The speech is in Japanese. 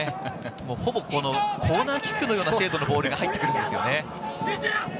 ほぼコーナーキックのような精度のボールが入ってくるんですよね。